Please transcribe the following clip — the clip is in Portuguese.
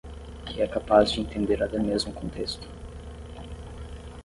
Que é capaz de entender até mesmo o contexto.